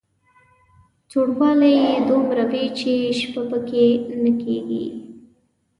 سوړوالی یې دومره وي چې شپه په کې نه کېږي.